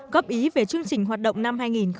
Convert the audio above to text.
góp ý về chương trình hoạt động năm hai nghìn một mươi bảy